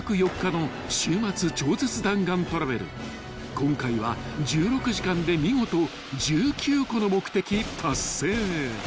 ［今回は１６時間で見事１９個の目的達成］